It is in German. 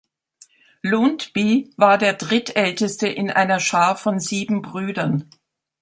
Lundbye war der Drittälteste in einer Schar von sieben Brüdern.